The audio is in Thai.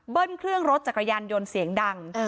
เครื่องรถจักรยานยนต์เสียงดัง